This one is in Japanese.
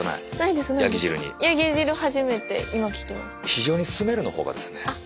非常にスメルのほうがですね。